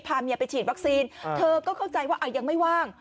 พาเมียไปฉีดวัคซีนเธอก็เข้าใจว่ายังไม่ว่าง